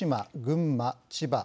群馬千葉